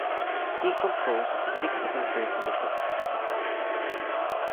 He composed six numbered symphonies.